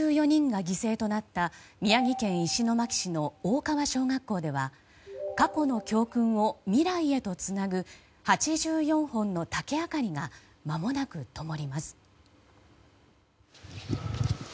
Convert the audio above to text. ８４人が犠牲となった宮城県石巻市の大川小学校では過去の教訓を未来へとつなぐ８４本の竹あかりがまもなくともります。